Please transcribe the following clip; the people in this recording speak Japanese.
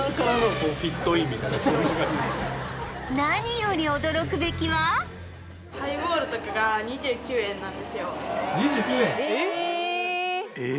何より驚くベきはえっ？